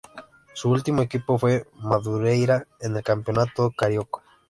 Su último equipo fue Madureira en el Campeonato Carioca.